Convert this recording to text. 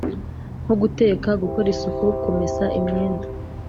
nko guteka, gukora isuku, kumesa imyenda